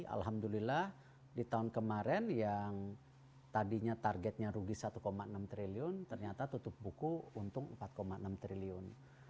alhamdulillah di tahun kemarin yang tadinya targetnya rugi satu enam triliun ternyata tutup buku untung empat enam triliun